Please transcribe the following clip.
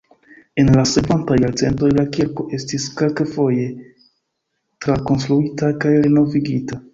En la sekvantaj jarcentoj la kirko estis kelkfoje trakonstruita kaj renovigita.